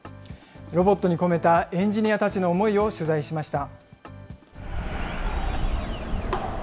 ロボットに込めたエンジニアたちの思いを取材しました。